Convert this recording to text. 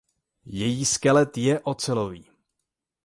Její skelet je ocelový.